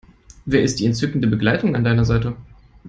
Wer ist die entzückende Begleitung an deiner Seite?